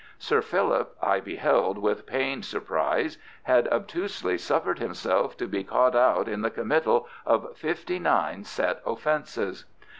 Sir Philip, I beheld with pained surprise, had obtusely suffered himself to be caught out in the committal of fifty nine set offences.